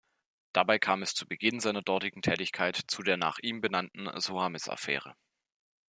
Dabei kam es zu Beginn seiner dortigen Tätigkeit zu der nach ihm benannten "Soames-Affäre".